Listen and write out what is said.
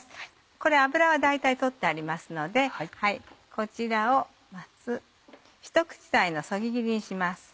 これ脂は大体取ってありますのでこちらをまずひと口大のそぎ切りにします。